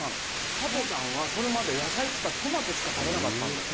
「加トちゃんはそれまで、野菜っつったらトマトしか食べなかったんでしょ？」